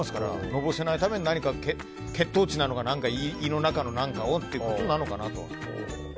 のぼせないために何か血糖値なのか胃の中の何かをということなのかなと。